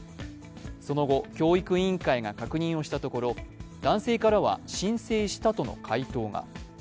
その後、教育委員会が確認をしたところ男性からは、申請したとの回答が。